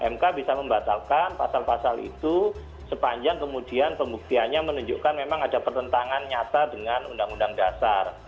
mk bisa membatalkan pasal pasal itu sepanjang kemudian pembuktiannya menunjukkan memang ada pertentangan nyata dengan undang undang dasar